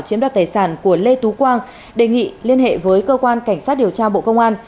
chiếm đoạt tài sản của lê tú quang đề nghị liên hệ với cơ quan cảnh sát điều tra bộ công an